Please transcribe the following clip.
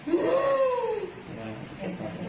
กูอยากมึงตัวเฮีย